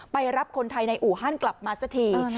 รับคนไทยในอู่ฮั่นกลับมาสักที